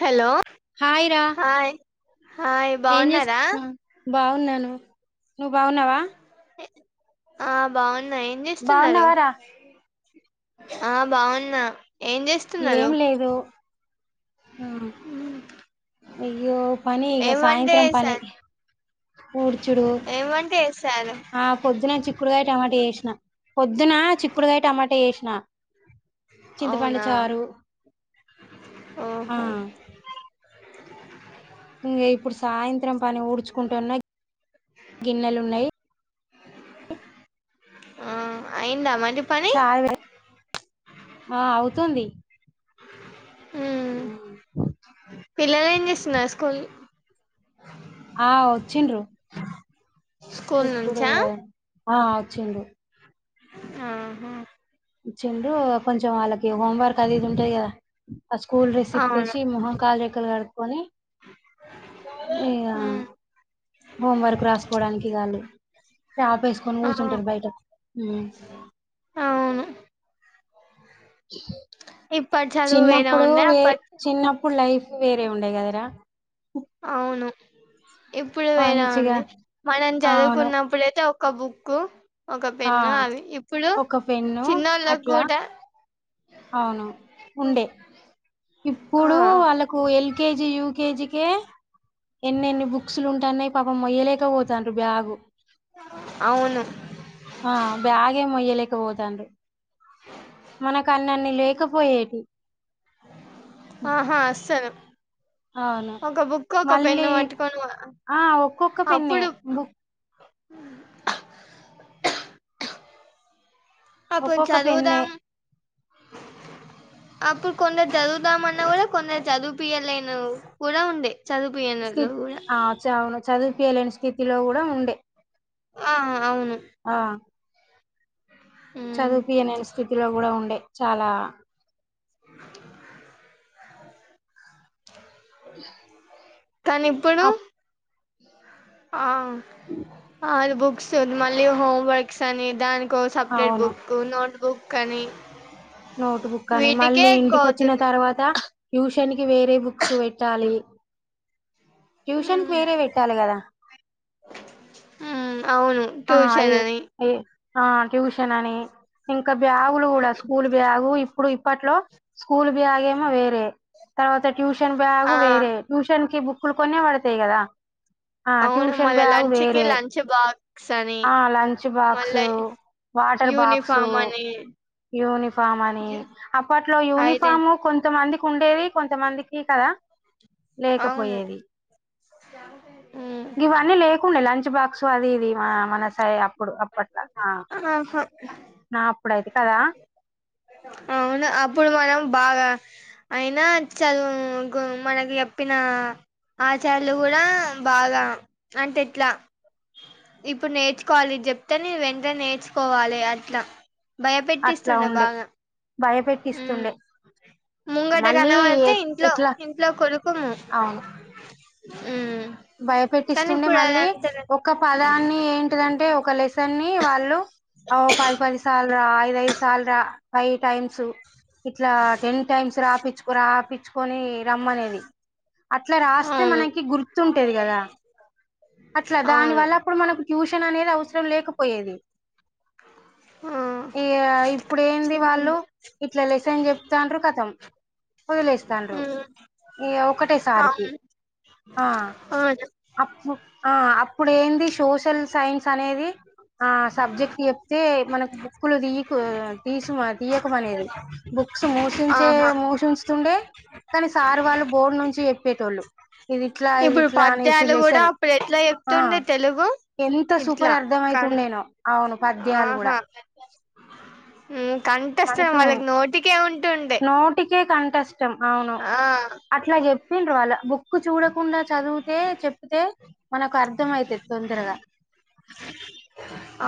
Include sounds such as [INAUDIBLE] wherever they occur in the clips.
Hello hi రా hi hi ఏం బాగున్నారా చేస్తున్నా బాగున్నాను నువ్వు బాగున్నావా ఆ బాగున్నా ఏం చేస్తున్నారు బాగున్నావారా ఆ బాగున్నా ఏం చేస్తున్నారు ఏం లేదు ఆ అయ్యో పని ఇక ఏం వంట సాయంత్రం పని చేసారు ఊర్చుడు ఏం వంట చేసారు ఆ పొద్దున చిక్కుడుగాయ టమాట వే పొద్దున చిక్కుడుకాయ టమాటా చేసిన చింతపండు అవునా చారు ఆ ఓహో ఇకా ఇప్పుడు సాయంత్రం పని ఊడ్చుకుంటున్న గిన్నెలు ఉన్నాయి ఆ అయింద వంట చాలు ఆ అవుతుంది అ ఉమ్ పిల్లలు ఏం చేస్తున్నారు స్కూల్ ఆ వచ్చిండ్రు స్కూల్ ఇప్పుడు నుంచా ఆ వచ్చిండు ఆ హా వచ్చిండు కొంచెం వాళ్ళకి హోంవర్క్ అది ఇది ఉంటాయి కదా ఆ స్కూల్ డ్రెస్ అవును ఇప్పేసి మొహం కాలు రెక్కలు కడుక్కోని ఇహా ఉమ్ హోం వర్క్ రాసుకోవడానికి వాళ్ళు చాప ఏసుకొని ఆ కూర్చుంటారు బయట అవును ఇప్పటి చదువు వేరే చిన్నప్పుడు ఉండే వేరే అప్పటి చిన్నప్పుడు లైఫ్ వేరే ఉండే కదరా అవును ఇప్పుడు వేరె మంచిగా ఉంది మనం అవును చదువుకున్నప్పుడైతె ఒక్ ఒక బుక్ ఒక ఆ పెన్న అవి ఇప్పుడు ఒక పెన్ను చిన్నోళ్ళకి అట్లా కూడా అవును ఉండే ఆ ఇప్పుడు వాళ్ళకు ఎల్ ఎల్ కెజి యూకెజికి ఎన్నెన్ని బుక్స్ లు ఉంటన్నాయి పాపం మొయ్యలేక పోతాన్రు బ్యాగు అవును ఆ బాగే మొయ్యలేక పోతాన్రు మనకన్నన్ని లేకపోయేటి ఆహా అస్సలు అవును ఒక బుక్ ఒక పెన్ను మళ్ళీ పట్టుకొనిపొయాం ఆ! ఒక్కొక్క పెన్నే. అప్పుడు బుక్ అ అప్పుడు ఒక్కొక్క పెన్నే. చదువుదాం అప్పుడు కొన్ని చదువుతామన్నా కూడా కొందరు చదువు పియాలేన కూడా ఉండే ఛి చదువుపియనోళ్ళు కూడా ఆ చవును చదివిపయలేని స్థితిలో కూడా ఉండే ఆ అవును ఆ! ఉమ్. చదువుపియలేని స్థితిలో కూడా ఉండే చాలా కానీ ఇప్పుడు అప్ ఆ అ అది బుక్స్ ఉ మళ్ళీ హోమ్ వర్క్స్ అని దానికో సపరేట్ అవును. బుక్ నోట్ బుక్ అని నోట్ బుక్ అని వీటికే మళ్ళీ ఎక్కువ ఇంటికిొచ్చిన అవుతుంది తర్వాత ట్యూషన్ కి వేరే బుక్స్ పెట్టాలి ట్యూషన్ ఉమ్ కి వేరే పెట్టాలి కదా ఉమ్ అవును ఆ అ ఈ ట్యూషన్ అని ఆ ఈ ఆ ట్యూషన్ అని ఇంకా బ్యాగులు కూడా స్కూల్ బ్యాగు ఇప్పుడు ఇప్పట్లో స్కూల్ బ్యాగ్ ఏమో వేరే తర్వాత ట్యూషన్ బ్యాగు ఆ వేరే ట్యూషన్ కి బుక్లు కొన్నె పడతాయి కదా ఆ అవును ట్యూషన్ మళ్ళా బ్యాగ్ లంచ్ కి వేరే లంచ్ బాక్స్ అని ఆ లంచ్ మళ్ళా బాక్సు వాటర్ బాక్సు యూనిఫామ్ అని యూనిఫామ్ అని అప్పట్లో అయితే యూనిఫాము కొంచం కొంతమందికి ఉండేది కొంతమందికి కదా అవును లేకపోయేది ఉమ్ ఇవన్నీ లేకుండే లంచ్ బాక్స్ అది ఆ మన సయి అప్పుడు అప్పట్లా ఆ ఆహా నా అప్పుడైతె అవును అప్పుడు మనం బాగా అయినా చదువు గు మనకి చెప్పిన ఆచార్యులు కూడా బాగా అంటే ఎట్లా ఇప్పుడు నేర్చుకోవాలి చెప్తేనే వెంట నేర్చుకోవాలి అట్లా భయ అట్లా పెట్టిస్తుండు ఉండే బాగా భయపెట్టిస్తుండే ముంగట మళ్ళీ కనమడితే ఎ- ఇంట్లో ఎట్లా ఇంట్లో కొలుకుము అవును హ్మ్ భయపెట్టిస్తుండే మళ్ళీ ఒక పదాన్ని ఏంటిదంటే ఒక లెస్ తన్ని వాళ్ళు ఓ పది పది సార్లు రా ఐద ఐదు సాల్ రా ఫైవ్ టైమ్స్ మ్స్ ఇట్ల టెన్ టైమ్స్ రాపిచ్చుకురా రా కొని రమ్మనేది అట్లా రాస్తే అవును మనకి గుర్ ఉంటది కదా అట్ల దాని అవును వల్ల అప్పుడు మనకు ట్యూషన్ అనేది అవసరం లేకపోయేది ఆ ఇగ ఇప్పుడేంది వాళ్ళు చూడండి ఇట్లా లెసన్ చెప్తాండ్రు కథం వదిలేస్తాండ్రు మ్మ్ ఇంగ ఒకటే సారికి అవును ఆ అవును అప్పు ఆ అప్పుడు ఏంది సోషల్ సైన్స్ అనేది ఆ సబ్జెక్ట్ లు చెప్తే మనకు బుక్కులు తీయకు తీసు తీయకం అనేది బు క్స్ మూసించే ఆహా మూసించుతుండే కాని సారు వాళ్ళు బోర్డు నుంచి చెప్పేటోళ్ళు ఇదిట్లా ఇప్పుడు ఇదిట్లా అనేసి పద్యాలు కూడా లెసన్ అప్పుడు ఎట్లా ఆ చెప్తుండే తెలుగు ఎంత ఇట్లా సూపర్ అర్ధం కన్ అయితుండేనో అవును పద్యాలు కూడా ఆహా మ్మ్ కంటస్తాను మంచిగా వాళ్ళకి నోటికే ఉంటుండే ఇష్టం అవును ఆ అట్లా చెప్పిండ్రు వాళ్ళ బుక్ చూడకుండా చదువుతే చెప్పితే మనకు అర్థం అయితది తొందరగా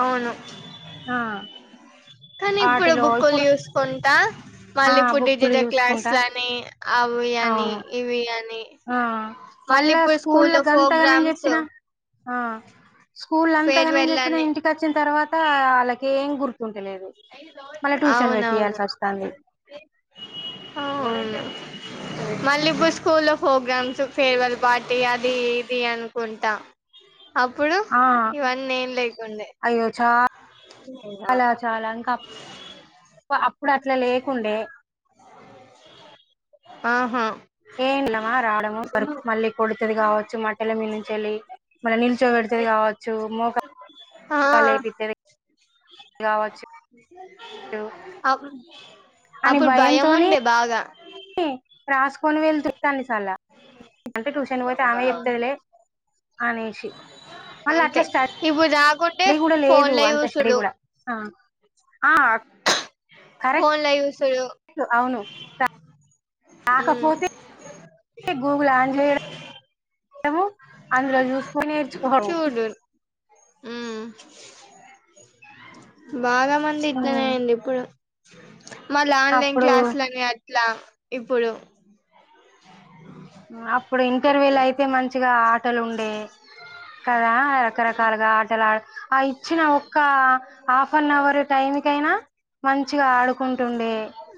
అవును ఆ కానీ ఇప్పుడు వాటిలో ఇప్పుడు బుక్కులు చూసుకుంటా ఆ మళ్ళీ [UNINTELLIGIBLE] బుక్కులు టీచర్ చూసుకుంటా క్లాసులని అవు వియని అవును ఇవి అని ఆ మళ్ళీ మళ్ళా ఇప్పుడు స్కూల్లో గంతగణం ప్రోగ్రామ్స్ చెప్పినా ఆ స్కూల్లో అంతగానం ఫేర్వెల్ చెప్పిన అని ఇంటికి వచ్చిన తర్వాత వాళ్ళకిఏం గుర్తు అవునవును పెట్టియాల్సి వస్తాంది అవును మళ్ళీ ఇప్పుడు స్కూల్లో ప్రోగ్రామ్స్ ఫేర్వెల్ పార్టీ అది ఇది అనుకుంటా అప్పుడు ఆ ఇవన్నీ ఏం లేకుండే నా చాలా చాలా ఇంకా పా అప్పుడు అట్ల లేకుండే ఆహా ఏం లమా రావడము పడు మళ్ళీ కొడుతుది కావచ్చు [INAUDIBLE] మీ చెల్లి మళ్ళీ నిల్చో పెడతాది కావచ్చు మోకా ఆ గావచ్చు అప్ అని అప్పుడు భయం భయంతోని ఉండే బాగా కొని వెల్తురు [UNINTELLIGIBLE] చాల అంటే ట్యూషన్ పోతే ఆమె ఉమ్, చెప్తదిలే అనేసి మళ్ళీ అంతే అట్లా స్ట ఇప్పుడు రాకుంటే స్టడీ కూడా లేదు ఫోన్ల అంత స్టడీ చూసుడు కూడా ఆ ఆ కరెక్ట్ ఫోన్ల చూస్ సోల్లు అవును మ్మ్ కాకపోతే ఏమో అందులో చూసుకుని నేర్చుకో హ్మ్ బాగా మంది ఇట్లనే ఉమ్, ఎండు ఇప్పుడు మళ్ళీ ఆన్లైన్ అప్పుడు క్లాసులని అట్లా ఇప్పుడు అప్పుడు ఇంటర్వ్యూలో అయితే మంచిగా ఆటలుండే కదా రకరకాలుగా ఆటలు ఆ ఆ ఇచ్చిన ఒక్క హాఫ్ అన్ అవర్ టైం కైనా మంచిగా ఆడుకుంటు ఉండే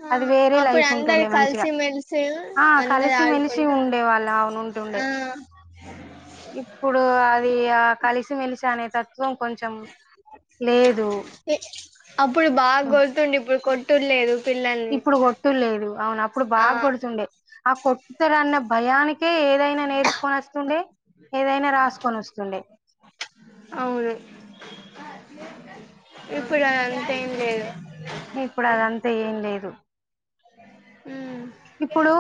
ఆ అది వేరే అప్పుడు లైఫ్ అందరు ఉంటుండే మంచిగా కలిసిమెలిసి ఆ అందరు కలిసి మెలిసి చి ఆడుకుంటారు ఉండే వాళ్ళ అవును ఉంటుండే ఆ మలిషానే అప్పుడు బాగా కొల్తుండి ఇప్పుడు కొట్ర్లేదు ఇప్పుడు కొట్టులేదు అవును అప్పుడు ఆ బాగా కొడుతుండే ఆ కొట్టటుతాడు అన్న భయానికే ఏదైనా నేర్చుకొని వస్తుండే ఏదైనా రాసుకొని వస్తుండే అవును ఇప్పుడు అదంతేం లేదు ఇప్పుడు అదంతా ఏం లేదు మ్మ్ ఇప్పుడు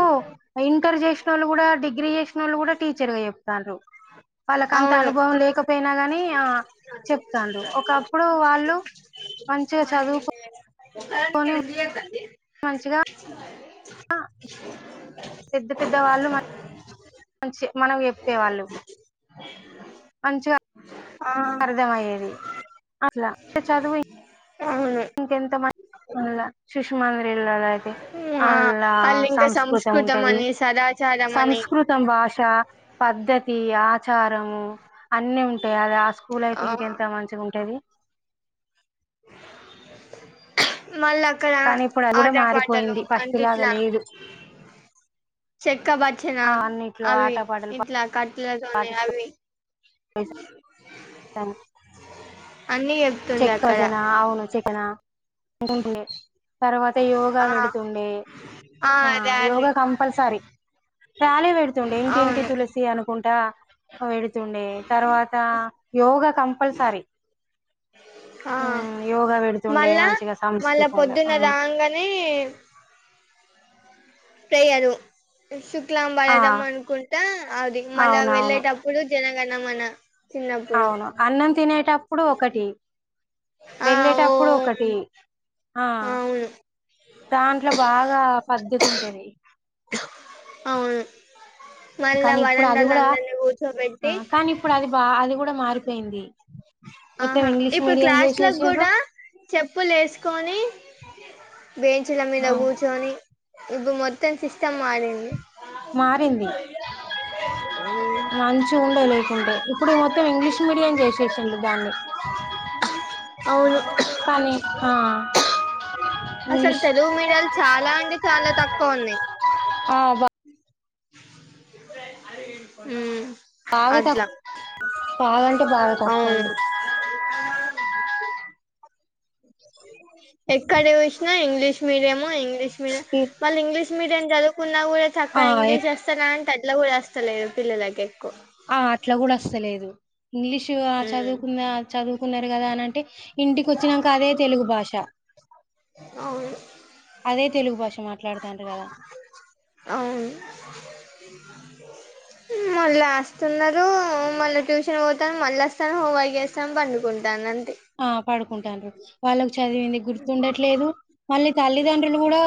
ఇంటర్ చేసిన వాళ్ళు కూడా డిగ్రీ చేసిన వాళ్ళు కూడా టీచర్ గా చెప్తారు వాళ్ళకంత అవును అనుభవం లేకపోయినా గాని ఆ చెప్తారు ఒకప్పుడు వాళ్ళు మంచిగా చదువుకు మంచిగా రంగడి పెద్ద పెద్దవాళ్ళు మంచి మనం చెప్పేవాళ్ళు అ మంచిగా అర్థంమయ్యేది అసలా చదువు అవును ఇంకెంత మంచి అ సుష్మా అంద్రి ఇల్యి ఆ అలా వాళ్ళు ఇంకా సంస్కృతం ఉంటది అని సదాచారం అని సంస్కృతం భాష పద్ధతి ఆచారము అన్నిీ ఉంటాయి అది ఆ స్కూల్ అయితే ఇంక ఆ ఎంత మంచిగా ఉంటుది మళ్ళీ అక్కడ కానీ ఇప్పుడు అది కూడా ఆట పాటలు మారిపోయింది ఫస్ట్ లాగా అంటిట్లా లేదు చెక్కప్ వచ్చిన ఆ అన్నిట్లో అవి ఆటపాటలు ఇట్లా కట్టలతోనే అవి పసా స అన్ని చెప్తుండే చెక్క అక్కడ జనా అవును చెక్కనా ము తర్వాత యోగా ఆ వెడుుతుండే ఆ యోగా కంపల్సరీ ాలీ పెడుతుండే ఇంటింటి అవును తులసి అనుకుంటా పెడుతుండే తర్వాత యోగా కంపల్సరీ ఆ మ్ యోగా పెడుతుండే మళ్ళా మంచిగా మళ్ళా సంస్కృతంలో పొద్దున్న ఆ రాంగానే ప్రేయరుు లాం ఆ పడదాం అనుకుంటా అది మళ్ళ అవునవును వెళ్ళేటప్పుడు జనంగాన్నా మన అవును అన్నం తినేటప్పుడు ఒకటి ఆ వెళ్ళేటప్పుడు ఓం ఒకటి ఆ అవును దాంట్లో బాగా పద్ధతి ఉంటేది అవును మళ్ళా కానీ ఇప్పుడు అది వరండాలో కూడా అందరినీ కూర్చోబెట్టి కానీ ఇప్పుడు అది బా అది కూడా మారిపోయింది మొత్తం ఆహా ఇంగ్లీష్ ఇప్పుడు మీడియం క్లాస్లలకు చేసేసిర్రు కూడా చెప్పులు వేసుకొని బేంచ్ల మీద ఆ కూర్చొని ఇప్పు మొత్తం సిస్టమ్ మడింది ఇ మంచ ఉండే లేకుండే ఇప్పుడు మొత్తం ఇంగ్లీష్ మీడియం చేసేసండి దాన్ని అవును కానీ అసలు ఇంగ్లీష్ తెలుగు మీడియాలు చాలా అంటే చాలా తక్కువ ఉన్నాయి ఆ ఉ బాగా అదిలా తక్కువ బాగాంటే బాగా తక్కువ అవును ఉంది ఎక్కడ వచ్చినా ఇంగ్లీష్ మీడియము ఇంగ్లీష్ మీడియం మళ్ళీ ఇంగ్లీష్ మీడియన్ చదువుకున్నా కూడా ఆ చక్క ఇంగ్లీష్ వస్తా అంటే అట్లా కూడా వస్తలేదు పిల్లలకి ఎక్కువ ఆ అట్లా కూడా వస్తలేదు ఇంగ్లీషు ఉమ్, చదువుకుంద చదువుకున్నారు కదా అనింటే ఇంటికి వచ్చినాక అదే తెలుగు భాష అ అదే తెలుగు భాష మాట్లాడుతాంట కదా మళ్ళా వస్తున్నారు మళ్ళా ట్యూషన్ పోతా మళ్ళ వస్తాను హో వగేస్తాం పండుకుంటాను అంతే కుంటారు వాళ్ళకు చదివింది గుర్తుండట్లేదు మళ్ళీ తల్లిదండ్రులు కూడా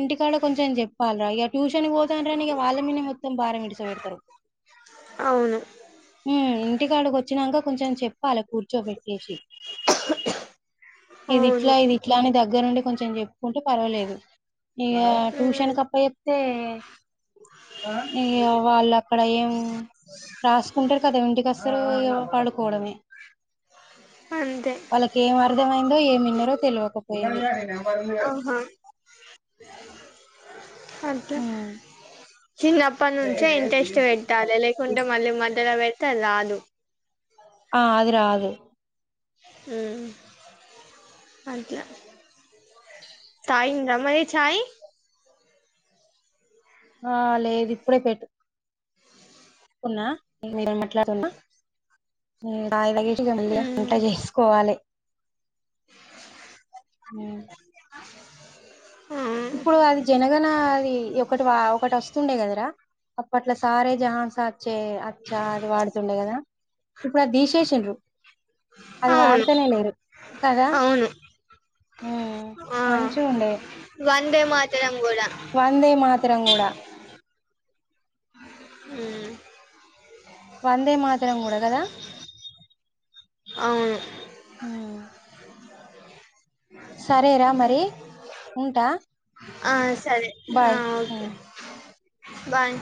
ఇంటికాడ కొంచెం చెప్పాలిరా ఇక ట్యూషన్ పోతన రానిక వాళ్ళ మీద మొత్తం భారం ఇద్దశాపడతారు అవును ఇంటికాడికి వచ్చినాక కొంచెం చెప్పాలి కూర్చోబెట్టి ఇది అవును ఇట్లా ఇది ఇట్లా అని దగ్గరుండి కొంచెం చెప్పుకుంటే పర్వాలేదు ఇక ట్యూషన్ కప్ప చెప్తే ఇ్య వాళ్ళు అక్కడ ఏం రాసుకుంటారు కదా ఇంటికి అసలు అసర పాడుకోవడమే అంతే వాళ్ళకి ఏం అర్థమైందో ఏమిన్నరోో తెలియకపోయింది ఆహా [UNINTELLIGIBLE] అే ఉమ్ చిన్నప్పటి నుంచే ఇంట్రెస్ట్ పెట్టాలి లేకుంటే మళ్ళీ మధ్యలో పెడితే రాదు ఆ అది రా అదు హమ్ అట్లా తాగింద్ర మరి చయి ఆ లేదు ఇప్పుడే పెటు ఉన్నా మీట్లాడుతున్నా అగేటిగా మళ్ళ ఉమ్ అంటా చేసుకోవాలి అ ఆ ఇప్పుడు అది జనగణ అది ఒకటి వా ఒకటి వస్తుండే కదరా అప్పట్ల సారే జహాన్స అచ్చే అచ్చా అది వాడుతుండే కదా ఇప్పుడు అది తీసేసిండ్రు అది అవును వాడుతేనే లేరు ఇంకాద అవును ఆ మంచంచూండే వందే మాత్రం వందే మాత్రరం కూడా అ వందే మాత్రం కూడా కదా అవును ఉమ్ సరేరా మరి ఉంటా ఆ సరే బాయ్ ఉమ్ ఓకే బాయ్